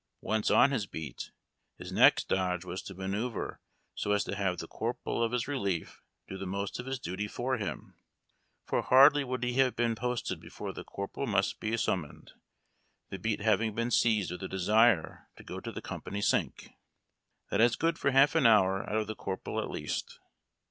Once on his beat, his next dodge was to manoeuvre so as to have the corporal of his relief do the most of his duty for him ; for hardly would he have been jjosted before the corporal must be summoned, the beat having been seized with a desire to go to the company sink. That is good for half an hour out of the corporal at least.